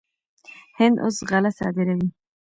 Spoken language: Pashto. هند اوس غله صادروي.